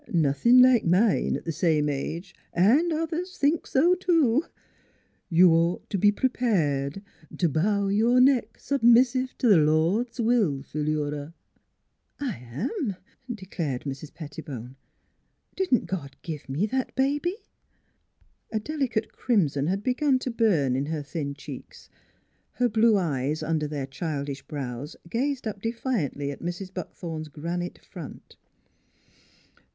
Nothin' like mine at the same age. An' th's others thinks so, too. ... You'd ought t' be prepared t' bow your neck submissive t' th' Lord's will, Phi lura." " I am," declared Mrs. Pettibone. " Didn't God give me that baby? " A delicate crimson had begun to burn in her thin cheeks; her blue eyes under their childish brows gazed up defiantly at Mrs. Buckthorn's granite front.